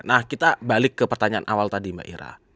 nah kita balik ke pertanyaan awal tadi mbak ira